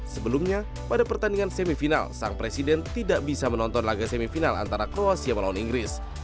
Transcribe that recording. sebelumnya pada pertandingan semifinal sang presiden tidak bisa menonton laga semifinal antara kroasia melawan inggris